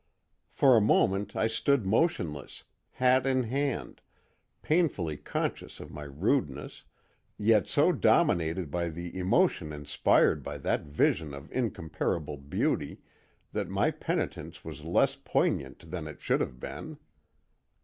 For a moment I stood motionless, hat in hand, painfully conscious of my rudeness, yet so dominated by the emotion inspired by that vision of incomparable beauty that my penitence was less poignant than it should have been.